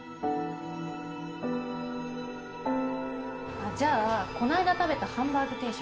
あっじゃあこの間食べたハンバーグ定食は？